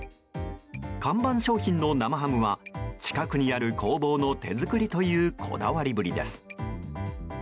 看板商品の生ハムは近くにある工房の手作りというこだわりぶりです。